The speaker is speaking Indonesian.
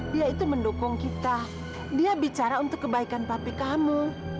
dia itu mendukung kita dia bicara untuk kebaikan papi kamu